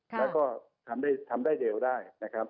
แล้วก็ทำได้เร็วได้นะครับ